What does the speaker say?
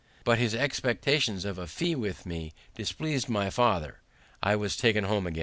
But his expectations of a fee with me displeasing my father, I was taken home again.